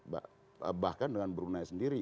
bahkan dengan brunei sendiri